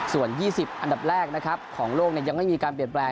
ส่วน๒๐อันดับแรกนะครับของโลกยังไม่มีการเปลี่ยนแปลง